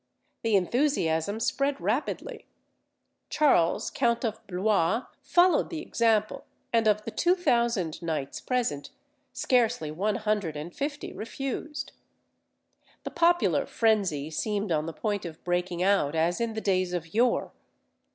The enthusiasm spread rapidly. Charles count of Blois followed the example, and of the two thousand knights present, scarcely one hundred and fifty refused. The popular phrensy seemed on the point of breaking out as in the days of yore.